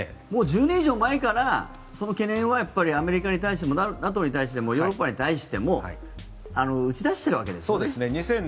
もう１０年以上前からその懸念はアメリカに対してもＮＡＴＯに対してもヨーロッパに対しても打ち出しているわけですね。